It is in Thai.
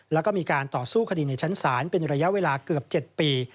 แล้วก็มีการต่อสู้คดีในชั้นศาลเป็นระยะเวลาเกือบ๗ปี